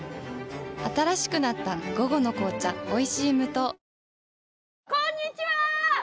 新しくなった「午後の紅茶おいしい無糖」